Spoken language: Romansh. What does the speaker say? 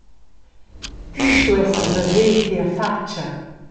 Ti stuesses veser tia fatscha.